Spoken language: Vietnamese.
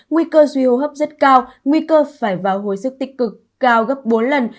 nguy cơ duy hô hấp rất cao nguy cơ phải vào hồi sức tích cực cao gấp bốn lần